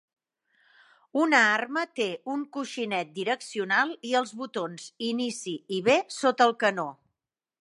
Una arma té un coixinet direccional i els botons Inici i B sota el canó.